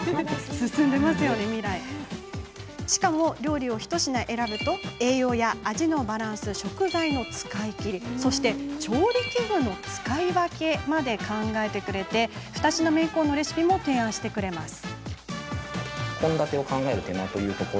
しかも、料理を一品選ぶと栄養や味のバランス食材の使い切り調理器具の使い分けまで考えて２品目以降のレシピも提案してくれます。